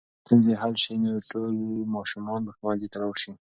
که چېرې ستونزې حل شي نو ټول ماشومان به ښوونځي ته لاړ شي.